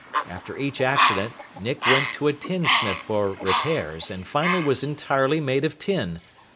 After each accident, Nick went to a tinsmith for repairs, and finally was entirely made of tin.